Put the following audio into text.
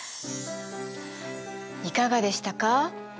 いかがでしたか？